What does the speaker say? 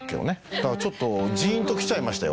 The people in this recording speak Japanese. だからちょっとジンと来ちゃいましたよ